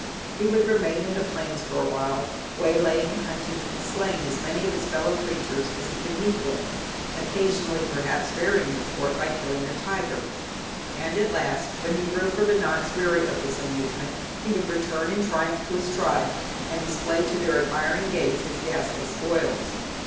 He would remain in the plains for a while, way laying, hunting, and slaying as many of his fellow creatures as he could meet with (occasionally perhaps varying the sport by killing a tiger) and at last when he grew for the nonce weary of this amusement, he would return in triumph to his tribe, and display to their admiring gaze his ghastly spoils.